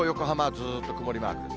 ずっと曇りマークです。